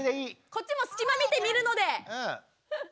こっちも隙間みて見るので。